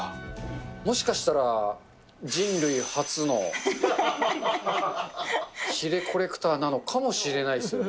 もしかしたら、人類初のヒレコレクターなのかもしれないですよね。